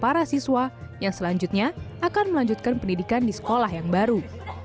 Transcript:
para siswa yang selanjutnya akan melanjutkan pendidikan di sekolah yang baru